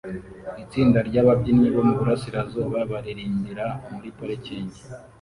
Itsinda ryababyinnyi bo muburasirazuba baririmbira muri parikingi